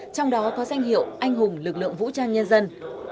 trong đó có danh hiệu anh hùng lực lượng vũ trang nhân dân